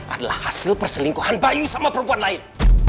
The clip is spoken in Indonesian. adalah hasil perselingkuhan bayu sama perempuan lain